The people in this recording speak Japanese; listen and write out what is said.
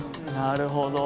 なるほど。